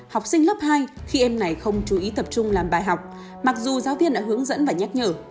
học sinh lớp hai khi em này không chú ý tập trung làm bài học mặc dù giáo viên đã hướng dẫn và nhắc nhở